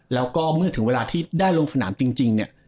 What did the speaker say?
แล้วก็เมื่อถึงเวลาที่ได้ลงสนามจริงเนี่ย